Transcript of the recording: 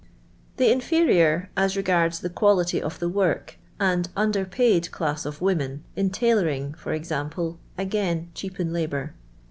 The inferior, as regards the quality of the work, and under paid class of iroaN^if, in tailoring, for example, again, cheapen labour.